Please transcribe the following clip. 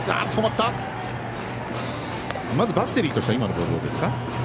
バッテリーとしては今のボールをですか？